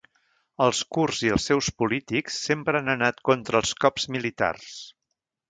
Els kurds i els seus polítics sempre han anat contra els cops militars.